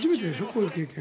こういう経験。